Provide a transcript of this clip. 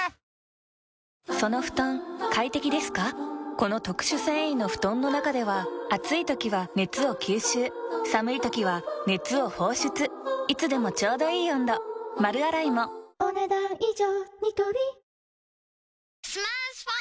この特殊繊維の布団の中では暑い時は熱を吸収寒い時は熱を放出いつでもちょうどいい温度丸洗いもお、ねだん以上。